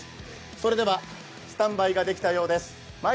それではスタンバイができたようです。